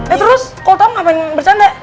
eh terus kalau tau ngapain bercanda